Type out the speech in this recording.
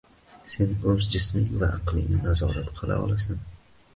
Sen o‘z jisming va aqlingni nazorat qila olasan.